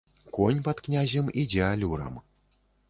Конь пад князем ідзе алюрам.